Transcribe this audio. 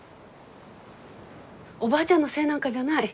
おばあちゃんのせいなんかじゃない。